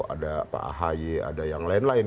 ada pak ahy ada yang lain lain